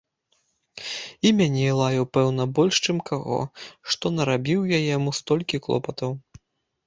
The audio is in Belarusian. І мяне лаяў, пэўна, больш чым каго, што нарабіў я яму столькі клопатаў.